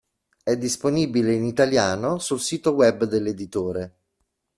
È disponibile in italiano sul sito web dell'editore.